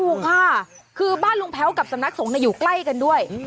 ถูกค่ะคือบ้านลุงแพ้วกับสำนักสงฆ์อยู่ใกล้กันด้วย